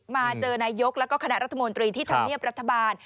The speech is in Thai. มาเจอนายกแล้วก็คณะรัฐมนตรีที่ธรรมเนียบรัฐบาล